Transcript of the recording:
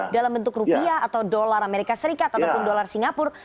dalam bentuk rupiah atau dolar amerika serikat ataupun dolar singapura